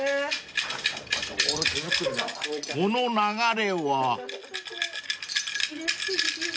［この流れは］